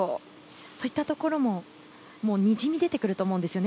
そういったところもにじみ出てくると思うんですよね。